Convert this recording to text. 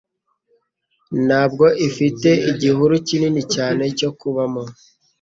ntabwo ifite igihuru kinini cyane cyo kubamo